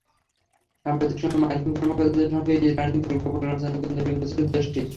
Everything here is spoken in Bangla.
সাম্প্রতিক সময়ে মার্কিন কর্মকর্তাদের সঙ্গে ইরানিদের গোপন আলোচনার কেন্দ্রবিন্দু ছিল দেশটি।